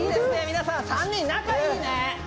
皆さん３人仲いいね